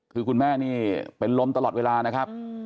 คือคุณแม่นี่เป็นลมตลอดเวลานะครับ